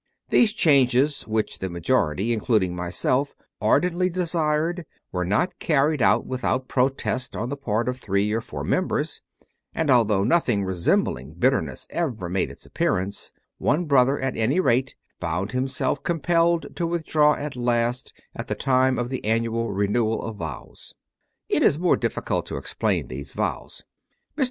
These changes, which the majority, including myself, ardently desired, were not carried out without protest on the part of three or four members; and, although nothing resembling bitter ness ever made its appearance, one Brother at any rate found himself compelled to withdraw at last at the time of the annual renewal of vows. It is more difficult to explain these vows. Mr.